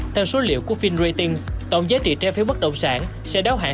theo số liệu của finratings tổng giá trị trái phiếu bất động sản sẽ đáo hạn